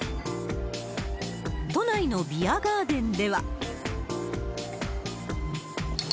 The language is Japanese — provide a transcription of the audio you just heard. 都内のビアガーデンでは。